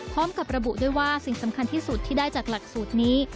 พร้อมกับระบุด้วยว่าสิ่งสำคัญที่สุดที่ได้จากหลักสูตรนี้